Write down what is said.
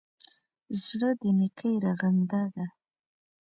زړه د نېکۍ رغنده ده.